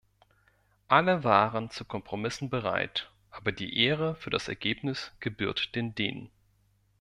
Alle waren zu Kompromissen bereit, aber die Ehre für das Ergebnis gebührt den Dänen.